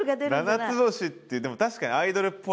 「七つ星」ってでも確かにアイドルっぽい。